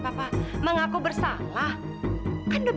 semoga suatu saat nanti